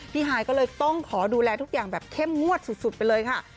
ฮายก็เลยต้องขอดูแลทุกอย่างแบบเข้มงวดสุดไปเลยค่ะ